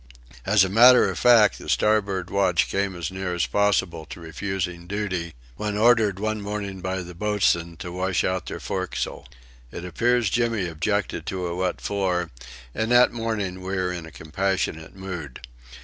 As a matter of fact, the starboard watch came as near as possible to refusing duty, when ordered one morning by the boatswain to wash out their forecastle. It appears Jimmy objected to a wet floor and that morning we were in a compassionate mood.